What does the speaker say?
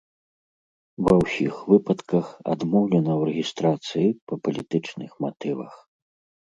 Ва ўсіх выпадках адмоўлена ў рэгістрацыі па палітычных матывах.